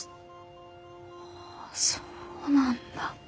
ああそうなんだ。